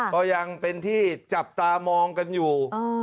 ก็ยังเป็นที่จับตามองกันอยู่